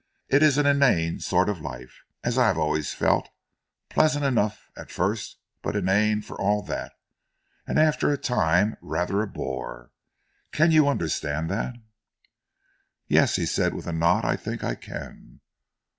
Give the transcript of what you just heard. It is an inane sort of life, as I have always felt, pleasant enough at first, but inane for all that, and after a time rather a bore. Can you understand that?" "Yes," he said, with a nod, "I think I can."